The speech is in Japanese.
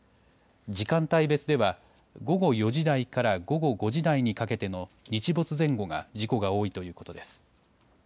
時間帯別では午後４時台から午後５時台にかけての日没前後が事故が多いということです。